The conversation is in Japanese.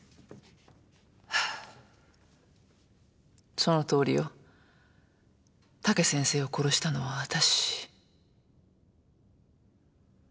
そのとおりよ武先生を殺したのは私。